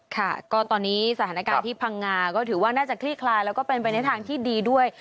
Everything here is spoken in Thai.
ค่ะก็ตอนนี้สถานการณ์ที่พังงาก็ถือว่าน่าจะคลี่คลายแล้วก็เป็นไปในทางที่ดีด้วย